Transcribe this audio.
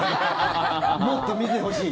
もっと見てほしい。